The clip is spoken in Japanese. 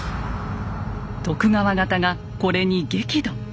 徳川方がこれに激怒。